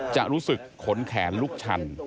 จะรู้สึกขนแขนลุกชัน